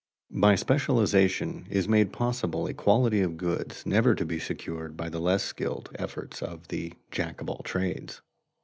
By specialization is made possible a quality of goods never to be secured by the less skilled efforts of the Jack of all trades.